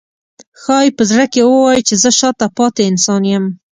ښایي په زړه کې ووایي چې زه شاته پاتې انسان یم.